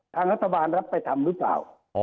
ทางรัฐบาลรับไปทำหรือเปล่า